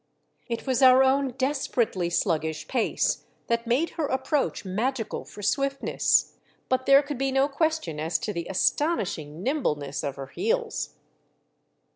It was our own desper ately sluggish pace that made her approach magical for swiftness ; but there could be no question as to the astonishing nimbleness of her heels.